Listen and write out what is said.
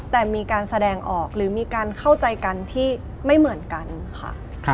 แต่มีการแสดงออกหรือมีการเข้าใจกันที่ไม่เหมือนกันค่ะ